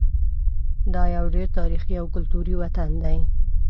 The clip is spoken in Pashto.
دا یو ډېر تاریخي او کلتوري وطن دی.